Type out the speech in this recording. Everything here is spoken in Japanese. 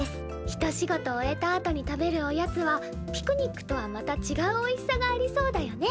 一仕事終えたあとに食べるおやつはピクニックとはまたちがうおいしさがありそうだよね。